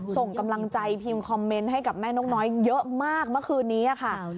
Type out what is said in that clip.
ส่งกำลังใจพิมพ์คอมเมนต์ให้กับแม่นกน้อยเยอะมากเมื่อคืนนี้ค่ะ